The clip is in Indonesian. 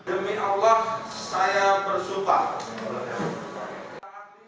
demi allah saya bersuka